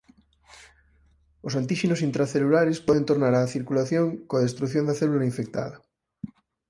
Os antíxenos intracelulares poden tornar á circulación coa destrución da célula infectada.